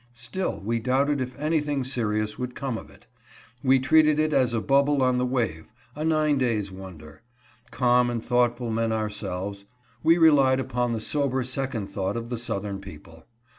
Still we doubted if anything serious would come of it. We treated it as a bubble on the wave — a nine days' wonder. Calm and thoughtful men ourselves, we relied upon the sober second thought of the southern people.